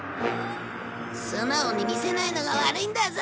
素直に見せないのが悪いんだぞ！